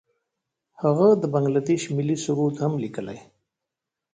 هغه د بنګله دیش ملي سرود هم لیکلی.